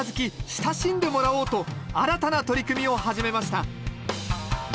親しんでもらおうと新たな取り組みを始めました